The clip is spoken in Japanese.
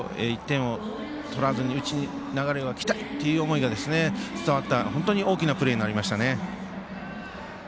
また、流れを持ってきたいという思いが伝わった本当に大きなプレーになりました。